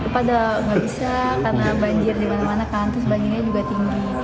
pada nggak bisa karena banjir di mana mana kan terus banjirnya juga tinggi